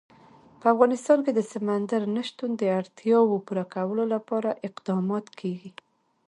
په افغانستان کې د سمندر نه شتون د اړتیاوو پوره کولو لپاره اقدامات کېږي.